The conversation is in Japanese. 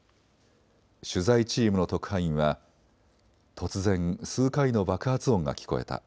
取材チームの特派員は突然、数回の爆発音が聞こえた。